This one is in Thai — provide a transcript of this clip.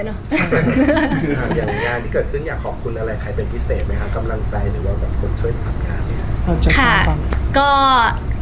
คืออย่างงานที่เกิดขึ้นอยากขอบคุณอะไรใครเป็นพิเศษไหมคะกำลังใจหรือว่าแบบคนช่วยจัดงาน